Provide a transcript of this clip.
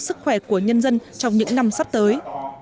sức khỏe của nhân dân trong những năm sắp tới